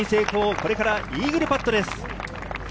これからイーグルパットです。